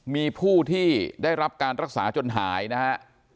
มีผู้ที่ได้รับการรักษาจนหายนะฮะ